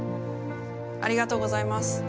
ありがとうございます。